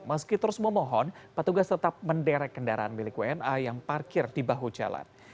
meski terus memohon petugas tetap menderek kendaraan milik wna yang parkir di bahu jalan